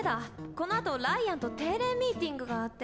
このあとライアンと定例ミーティングがあって。